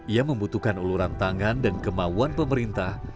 ia membutuhkan uluran tangan dan kemauan pemerintah